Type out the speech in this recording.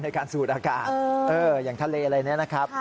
ในการสูดอากาศอย่างทะเลอะไรเนี่ยนะครับ